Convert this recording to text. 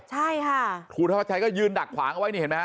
ใช่ค่ะครูธวัชชัยก็ยืนดักขวางเอาไว้นี่เห็นไหมฮ